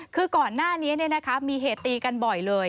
คือก่อนหน้านี้มีเหตุตีกันบ่อยเลย